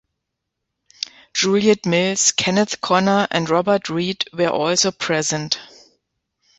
Juliet Mills, Kenneth Connor and Robert Reed were also present.